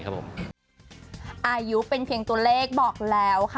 อายุเป็นเพียงตัวเลขบอกแล้วค่ะ